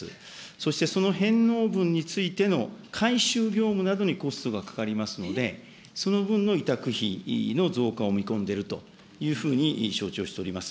そしてその返納分についての回収業務などにコストがかかりますので、その分の委託費の増加を見込んでるというふうに承知をしております。